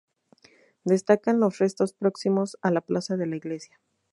Destacan los restos próximos a la plaza de la iglesia.